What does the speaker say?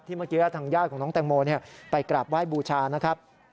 เมื่อกี้ทางญาติของน้องแตงโมไปกราบไหว้บูชานะครับ